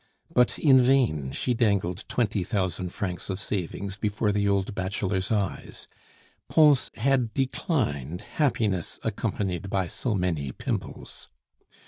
But in vain she dangled twenty thousand francs of savings before the old bachelor's eyes; Pons had declined happiness accompanied by so many pimples.